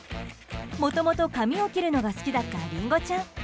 もともと、紙を切るのが好きだったりんごちゃん。